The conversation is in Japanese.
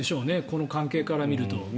この関係から見ると。